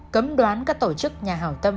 cấm đoán các tổ chức nhà hào tâm